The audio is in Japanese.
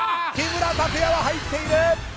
木村拓哉は入っている！